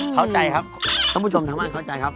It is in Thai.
เข้าใจครับท่านผู้ชมทางบ้านเข้าใจครับ